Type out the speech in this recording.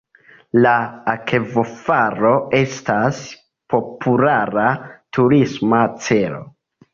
La akvofalo estas populara turisma celo.